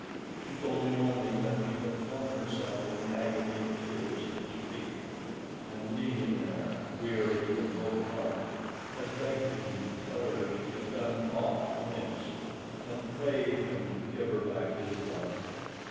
She told me only that she had flung herself in an agony of tears at his feet, and kneeling there, weary and broken hearted, had begged him to tell her if she had done aught amiss, had prayed him to give her back his love.